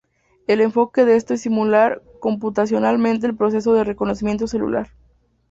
El enfoque de esto es simular computacionalmente el proceso de reconocimiento celular.